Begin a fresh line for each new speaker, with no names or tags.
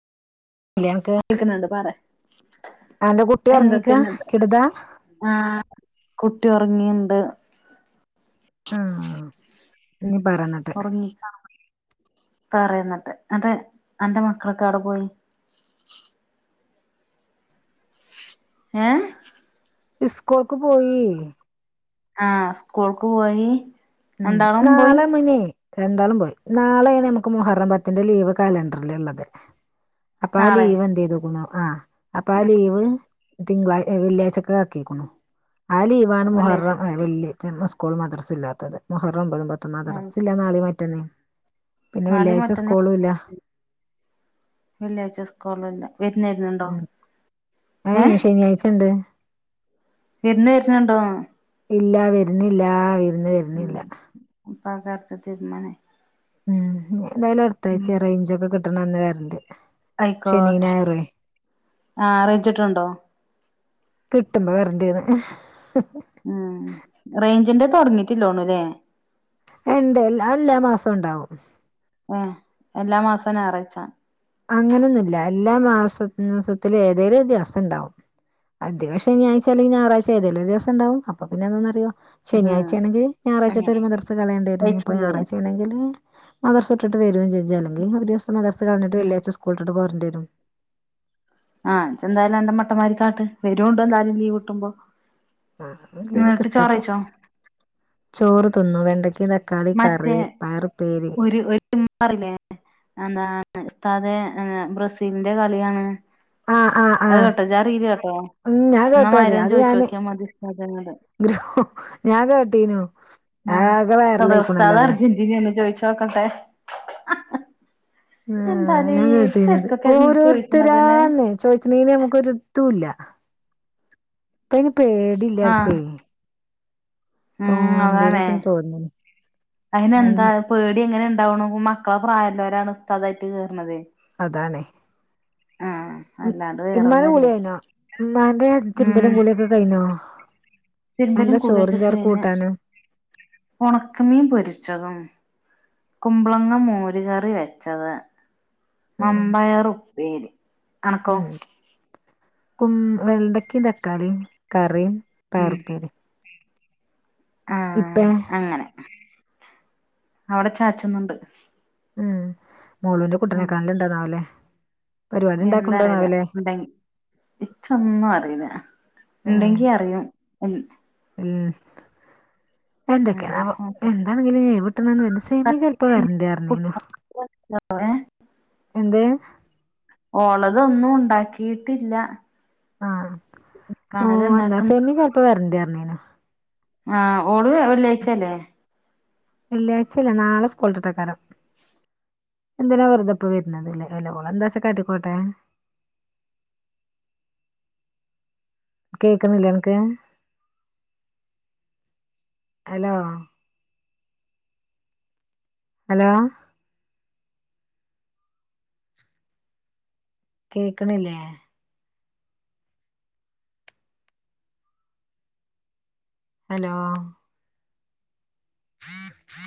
ഇല്ലേ അനക്ക്
കേൾക്കുന്ന്ണ്ട് പറേ
അന്റെ കുട്ടി ഒറങ്ങ്യക്കാ ക്ട്താ
ആഹ് കുട്ടി ഒറങ്ങിന്ണ്ട്.
ആഹ് ഞ്ഞ് പറന്നട്ട്.
പറയ ന്നിട്ട് അതേ അന്റെ മക്കളൊക്കൊടെ പോയി ഏ
ഈസ്കൂൾക്ക് പോയി
ആ സ്കൂൾക്ക് പോയി
ഉം
രണ്ടാളും പോയി
നാളെ മനെ രണ്ടാളും പോയി നാളെയാണ് നമ്മക്ക് മു ഹറം പത്തിന്റെ ലീവ് കലണ്ടറൽ ഉള്ളത് അപ്പാ
നാളെ
ലീവ് എന്തുചെയ്തക്കുന്നു ആ
ഉം
അപ്പാലീവ് തിങ്കളാഴ് വെള്ളിയാഴ്ചക്കെ ആക്കിക്കണു, ആ ലീവാണ് മുഹറം
വെള്ളിയാഴ്ചത്തേക്ക്
വെള്ളി ക്കൂൾ മദ്രസുല്ലാത്തത്, മുഹറം ഒമ്പതും പത്തും മദ്രസ ഇല്ല നാളീം മറ്റന്നേ
നാളേം മറ്റന്ന വെള്ളിയാഴ്ച സ്കൂ ളില്ല. വിരുന്ന് വരുന്നുണ്ടോ
ഏ യെ
ഏഹ്
ശനിയാഴ്ച ഉണ്ട്
വിരുന്ന് വരണണ്ടോന്ന്
ഇല്ല വരുന്നില്ല വിരുന്ന് വരുന്നില്ല
പകാര്യത്തിൽ തീരുമാനായി.
ഉം എന്തായാലും
ഉം
അടുത്താഴ്ച റേഞ്ചൊക്കെ കിട്ടണ അന്ന് വരണ്ട് ശനി
ആയിക്കോട്ടെ
ഞായറുവേ
ആ അറിയിച്ചിട്ടുണ്ടോ
കിട്ടുമ്പോ വരണ്ട് ന്ന്
ഉം റേഞ്ചിന്റെ തുടങ്ങിട്ടില്ലോണു അല്ലേ
എ ണ്ട് അതെല്ലാ മാസും ഉണ്ടാവും
ഏ എല്ലാ മാസവും ഞായറാഴ്ചാ
അങ്ങനെയൊന്നുല്ല എല്ലാ മാസ മാസത്തിലും ഏതെങ്കിലും ഒരുദിവസം ഉണ്ടാവും അധികം ശനിയാഴ്ച അല്ലെങ്കിൽ ഞായറാഴ്ച ഏതെലൊരു ദിവസം ഉണ്ടാവും, അപ്പൊ പിന്നെ എന്താന്നറിയോ
ആഹ്
ശനിയാഴ്ച ആണെങ്കി ഞായറാഴ്ചത്തെ
അങ്ങനെ
ഒരു മദർസ കളയണ്ടിവരും ഇനിപ്പോ
കഴിച്ചില്ലേ
ഞായറാഴ്ച ആണെങ്കില് മദർസ വിട്ടിട്ട് വരും ചെജ്ജ അല്ലങ്കിൽ ഒരു ദിവസം മദർസ് കളഞ്ഞിട്ട്
ആഹ്
വെള്ളിയാഴ്ച സ്കൂൾ വിട്ടിട്ട് പോരാണ്ടിയരും.
ആഹ് ഇജ്ന്തായാലും അന്റെ മട്ടമാരികാട്ട് വരോണ്ടു എന്തായാലും ലീവ് കിട്ടുമ്പോ
ആ ലീവ്
എന്നിട്ട്
കിട്ടട്ടെ,
ചോറയിച്ചോ
ചോറ് തിന്നു വെണ്ടക്കയും തക്ക
മറ്റേ ഒരു ഒരുമ്മ പറില്ലേ എന്താണ് ഉസ്താതെ ഏ ബ്രസീലിന്റെ കളിയാണ്
ആ ആ ആ
അത് കേട്ടോ ജാ റീല് കേട്ടോ
ഉം ഞാൻ കേട്ടു
എന്നമാതിരി ഒന്ന് ചോദിച്ചു നോക്കിയാൽ മതി ഉസ്താദിനോട്
ഗ്ര ഞാൻ കേട്ടീനു ആകെ വൈറലായിക്കണല്ലോ
സെദാറുസ്താദ്
അത്
അർജന്റീനയാണ് ചോയിച്ചു നോക്കട്ടെ ഹഹ
ഉം ആ ഞാൻ കേട്ടുന്നത്
ശരിക്കൊക്കെ ചോയിക്കണതന്നെ
ഓരോരുത്തരാന്നെ ചോദിച്ചെണെ ന് നമുക്കൊരിതുല്ല. പ്പാതിന്
ആഹ്
പേടില്ലാർക്കും തോന്തലൊക്ക തോന്നന്ന
അതിനന്താ പേടി എങ്ങനെ ഉണ്ടാവുണു മക്കളെ പ്രായല്ലൊരാണ് ഉസ്താദായിട്ട് കേറണത്.
അതണേ
ആഹ് അല്ലാണ്ട്
ഇമ്മാന്റെ കുളി
വേറൊന്നല്ലേ
കഴിഞ്ഞോ മ്മാന്റെ
ഉം
തിരുമ്പലും കുളിയൊക്കെ കഴിഞ്ഞോ
തിരുമ്പലും
എന്താ
കുളി
ചോറും
ഒക്കെ
ചേർക്ക്
കയിഞ്ഞ്
കൂട്ടാനും
ഉണക്കമീൻ പൊരിച്ചതും കുമ്പ്ളങ്ങ മോര് കറി വെച്ചത്
ആഹ്
മമ്പയറും പ്പേരി അണക്കോ
ഉം വെണ്ടക്കിം തക്കാളിയും കറിയും പയറുപ്പേരി
ആഹ അങ്ങനെ അവിടെ ചാച്ചന്നണ്ട്
ഉം മോളുന്റെ കുട്ടനെക്കാണൽ ഉണ്ടോന്നാവല്ലേ
എന്ത അറിയില്ല ഉണ്ടെങ്കി ഇച്ചൊന്നും അറില ഉണ്ടെങ്കി അറിയും
ഉം എന്തൊക്കെയാണാവം എന്താണെങ്കിലും ഇനി ഒഴിവ് കിട്ടണന്ന് സെമി ചെലപ്പോ വരണ്ട്പറഞ്ഞീനു.
ഏ
എന്ത്
ഓളതൊന്നും ഉണ്ടാക്കിയിട്ടില്ല
ആഹ
കണല്
എന്താ
ഇണ്ടാക്കുന്ന
സേമ ചെിലപ്പോ വരണ്ടരുന്നന
ആഹ ഓടു വള്ളഴിച്ചല്ലേ
വെള്ളിയാഴ്ച്ചല്ല നാളെ സ്കൂളട്ടട്ടക്കാരം എന്തിനാ വെറുതെപ്പ വരുന്നുന്നത്ല്ലേ അല്ലോള എന്താച്ചാ കാട്ടിക്കോട്ടെ കേക്കുന്നില്ലനക്ക് അല്ലാ ഹലോ കേക്കണില്ലേ ഹലോ ീ